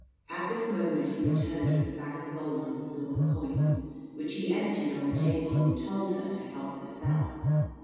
At this moment he returned with a bag of gold and silver coins, which he emptied on the table, and told her to help herself.